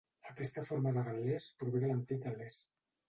Aquesta forma de gal·lès prové de l'antic gal·lès.